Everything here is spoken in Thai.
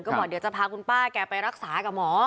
ก็บอกเดี๋ยวจะพาคุณป้าแกไปรักษากับหมอ